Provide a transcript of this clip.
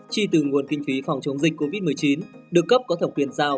chi từ nguồn kinh phí phòng chống dịch covid một mươi chín được cấp có thẩm quyền giao